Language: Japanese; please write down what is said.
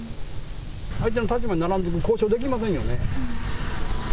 相手の立場にならんと、交渉できませんよね。